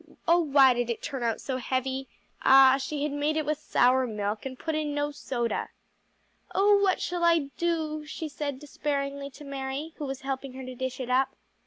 oh why did it turn out so heavy? Ah, she had made it with sour milk and put in no soda. "Oh what shall I do?" she said despairingly to Mary, who was helping her to dish it up.